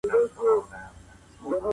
غړي به په کاري کمېټو کي مسايل وڅېړي.